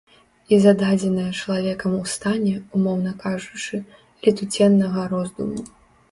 І зададзенае чалавекам у стане, умоўна кажучы, летуценнага роздуму.